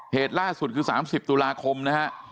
เหตุล่าสุดคือ๓๐ตุลาคมนะฮะ